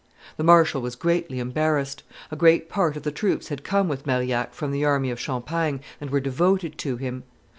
The marshal was greatly embarrassed; a great part of the troops had come with Marillac from the army of Champagne and were devoted to him.